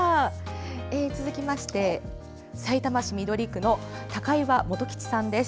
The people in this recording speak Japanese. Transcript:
続きましてさいたま市緑区の高岩元吉さんです。